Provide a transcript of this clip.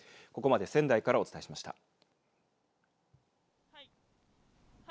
ここまで仙台からお伝えしました。